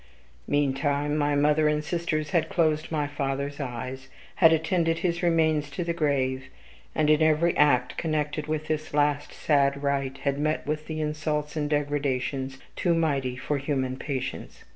Meantime my mother and sisters had closed my father's eyes; had attended his remains to the grave; and in every act connected with this last sad rite had met with insults and degradations too mighty for human patience.